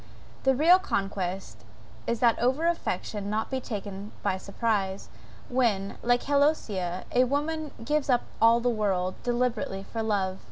The real conquest is that over affection not taken by surprise when, like Heloisa, a woman gives up all the world, deliberately, for love.